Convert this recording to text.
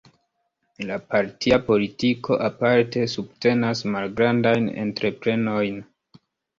La partia politiko aparte subtenas malgrandajn entreprenojn.